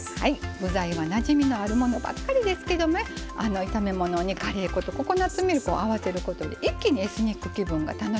具材はなじみのあるものばっかりですけど炒め物にカレー粉とココナツミルクを合わせることで一気にエスニック気分が楽しめます。